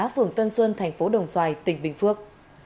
phường tân xuân thành phố đồng xoài tỉnh bình phước